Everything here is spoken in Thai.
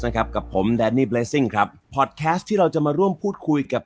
ครับกับผมแดนนี่เลสซิ่งครับพอดแคสต์ที่เราจะมาร่วมพูดคุยกับ